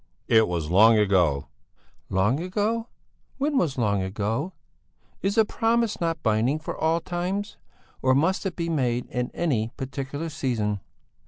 "It was long ago!" "Long ago? When was long ago? Is a promise not binding for all times? Or must it be made in any particular season?"